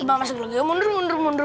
coba masuk lagi mundur mundur mundur